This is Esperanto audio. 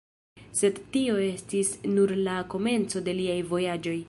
Sed tio estis nur la komenco de liaj vojaĝoj.